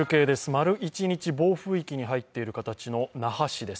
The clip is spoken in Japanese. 丸一日暴風域に入っている形の那覇市です。